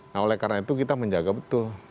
nah oleh karena itu kita menjaga betul